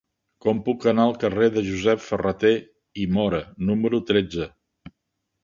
Com puc anar al carrer de Josep Ferrater i Móra número tretze?